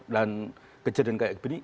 dan kejadian kayak begini